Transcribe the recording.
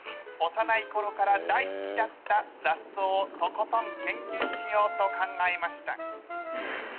幼いころから大好きだった雑草をとことん研究しようと考えました。